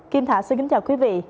kim thảo xin kính chào quý vị